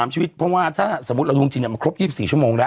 ๒๓ชีวิตเพราะว่าถ้าสมมุติเราดูวงจีนเนี่ยมาครบ๒๔ชั่วโมงแล้ว